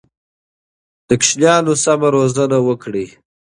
د ماشومانو سمه روزنه وکړئ.